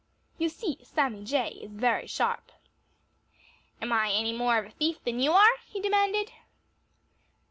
You see, Sammy Jay is very sharp. "Am I any more of a thief than you are?" he demanded.